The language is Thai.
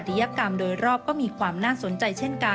ช่วยให้สามารถสัมผัสถึงความเศร้าต่อการระลึกถึงผู้ที่จากไป